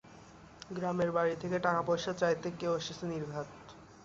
গ্রামের বাড়ি থেকে টাকা-পয়সা চাইতে কেউ এসেছে নির্ঘাত।